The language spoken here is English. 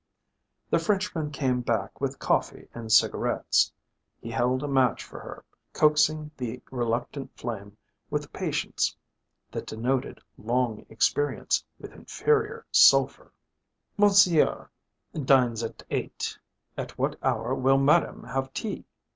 The Frenchman came back with coffee and cigarettes. He held a match for her, coaxing the reluctant flame with patience that denoted long experience with inferior sulphur. "Monseigneur dines at eight. At what hour will Madame have tea?"